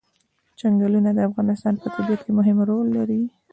چنګلونه د افغانستان په طبیعت کې مهم رول لري.